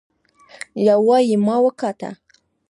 يو وايي ما وګاټه.